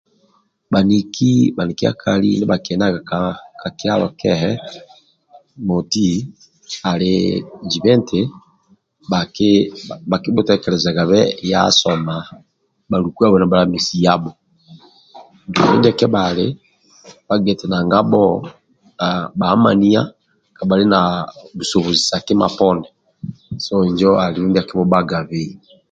Bhaniki bhanikiakali ndibha bhakienaga ka kyalo kehe moti ali jibe nti bhaki bhakibhutekelezabe ya soma bhalukwabho nibhalamesi yabho. Ndia kebhali bhagiti nanga bho aah bhamaniya kabhali na busobozi sa kima poni so injo andulu ndia akibhubhagabei.